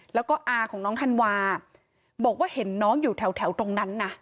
แล้วก็อาของน้องธันวาบอกว่าเห็นน้องอยู่แถวตรงนั้นนะ